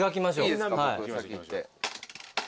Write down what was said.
いいですか僕先いって。